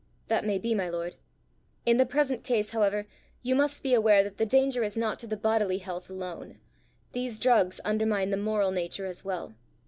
"That may be, my lord: in the present case, however, you must be aware that the danger is not to the bodily health alone; these drugs undermine the moral nature as well!"